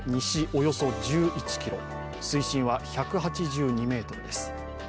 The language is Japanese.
およそ１１ｋｍ、水深は１８２ｍです。